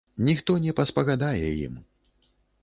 Ніхто не паспагадае ім.